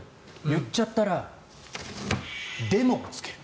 言っちゃったら「でも」をつける。